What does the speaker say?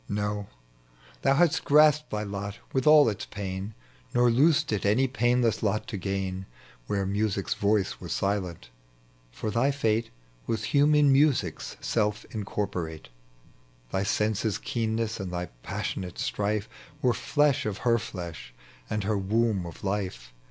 No, thon haxist grasped thy lot with all its pain, Nor loosed it any painless lot to gain Where music's voice was silent; for thy fate Was human music's self incorporate : Thy senses' keenness and thy passionate strife Were flesh of her flesh anrl her womb of life.